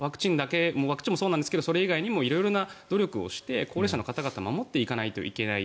ワクチンもそうなんですけどそれ以外にも色々な努力をして高齢者の方々を守っていかなければいけない。